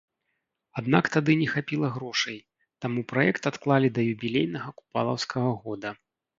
Аднак тады не хапіла грошай, таму праект адклалі да юбілейнага купалаўскага года.